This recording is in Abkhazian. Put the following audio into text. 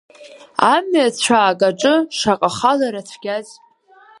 Амҩа цәаак аҿы шаҟа ахалара цәгьаз!